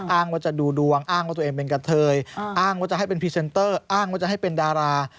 อ้างว่าจะดูดวงอ้างว่าตัวเองเป็นกะเทยอ้างว่าจะให้เป็นพรีเซนเตอร์อ้างว่าจะให้เป็นดารา